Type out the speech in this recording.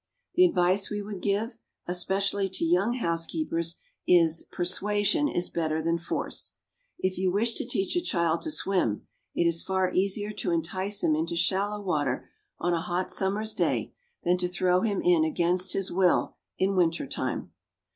The advice we would give, especially to young housekeepers, is, "Persuasion is better than force." If you wish to teach a child to swim, it is far easier to entice him into shallow water on a hot summer's day than to throw him in against his will in winter time.